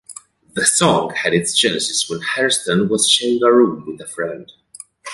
The song had its genesis when Hairston was sharing a room with a friend.